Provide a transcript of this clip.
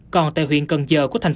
còn tại huyện cần giờ của tp hcm